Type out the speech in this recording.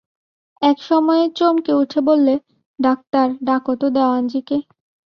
এক সময়ে চমকে উঠে বললে, ডাক্তার, ডাকো তো দেওয়ানজিকে।